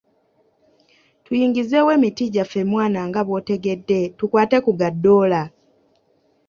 Tuyingizeewo emiti gyaffe mwana nga bw’otegedde tukwate ku ga ddoola.